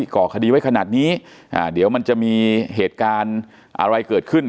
ก่อคดีไว้ขนาดนี้เดี๋ยวมันจะมีเหตุการณ์อะไรเกิดขึ้น